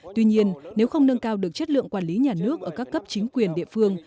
tuy nhiên nếu không nâng cao được chất lượng quản lý nhà nước ở các cấp chính quyền địa phương